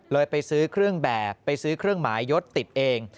ไปซื้อเครื่องแบบไปซื้อเครื่องหมายยดติดเอง